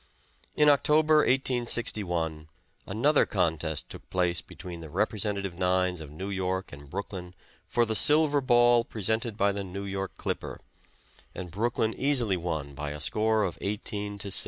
In October, 1861, another contest took place between the representative nines of New York and Brooklyn for the silver ball presented by the New York Clipper, and Brooklyn easily won by a score of 18 to 6.